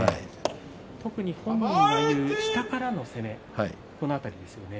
本人が言う下からの攻めその辺りですね。